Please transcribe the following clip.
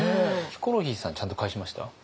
ヒコロヒーさんちゃんと返しました？